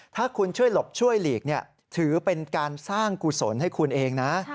ถ้าคุณช่วยหลบช่วยหลีกถือเป็นการสร้างกุศลให้คุณเองนะ